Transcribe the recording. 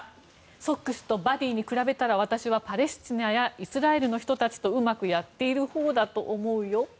ソックスとバディーに比べたら私はパレスチナやイスラエルの人たちとうまくやっているほうだと思うよ。